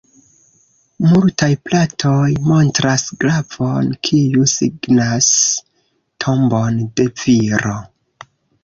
Multaj platoj montras glavon, kiu signas tombon de viro.